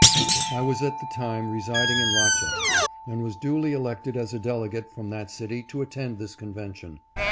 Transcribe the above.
I was at the time residing in Rochester and was duly elected as a delegate from that city to attend this conven tion.